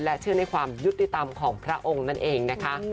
เชื่อในความยุติธรรมของพระองค์นั่นเองนะคะ